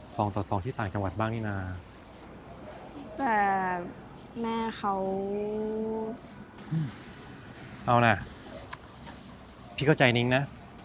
สองต่อสองที่ต่างจังหวัดบ้างนี่นะแต่แม่เขาเอานะพี่เข้าใจนิ้งนะ